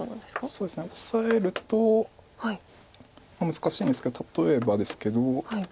そうですねオサえると難しいんですけど例えばですけど。